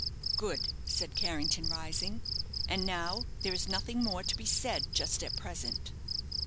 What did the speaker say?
"Good," said Carrington, rising. "And now there is nothing more to be said just at present."